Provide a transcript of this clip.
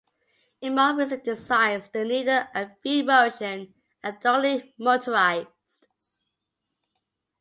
In more recent designs, the needle and feed motion are directly motorized.